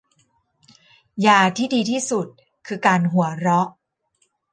ยาที่ดีที่สุดคือการหัวเราะ